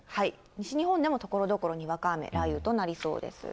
西日本でもところどころにわか雨、雷雨となりそうです。